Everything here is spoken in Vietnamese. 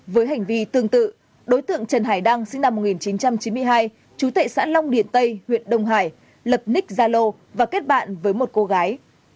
với hành vi tương tự đối tượng trần hải đăng sinh năm một nghìn chín trăm chín mươi hai trú tại xã long điển tây huyện đông hải lập nick gia lô và kết bạn với một cô gái